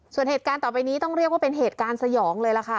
ส่วนเหตุการณ์ต่อไปนี้ต้องเรียกว่าเป็นเหตุการณ์สยองเลยล่ะค่ะ